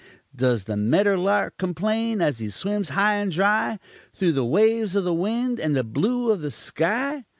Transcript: Does the medder lark complane, as he swims high and dry Through the waves of the wind and the blue of the sky?